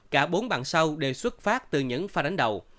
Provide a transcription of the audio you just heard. cả bốn bằng sau đều xuất phát từ những pha đánh đầu